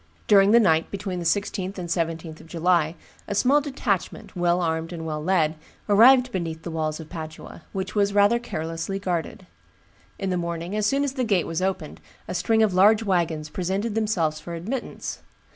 During the night between the 16th and 17th of July, a small detachment, well armed and well led, arrived beneath the walls of Padua, which was rather carelessly guarded. In the morning, as soon as the gate was opened, a string of large wagons presented themselves for admittance.